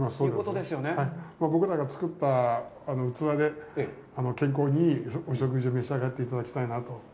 僕らが作った器で健康にいいお食事を召し上がっていただきたいなと。